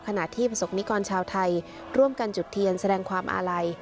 ขณะที่ประสบนิกรชาวไทยร่วมกันจุดเทียนแสดงความอาลัย